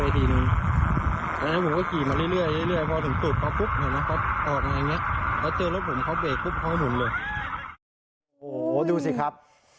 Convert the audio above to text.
ดูสิครับ